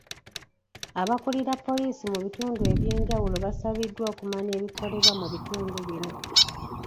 Abakulira poliisi mu bitundu ebyenjawulo basabiddwa okumanya ebikolebwa mu bitundu bino.